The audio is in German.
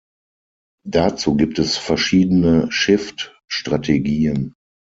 Dazu gibt es verschiedene Shift-Strategien.